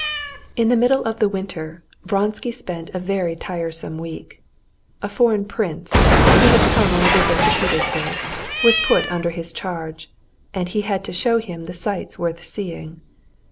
In the middle of the winter Vronsky spent a very tiresome week. A foreign prince, who had come on a visit to Petersburg, was put under his charge, and he had to show him the sights worth seeing.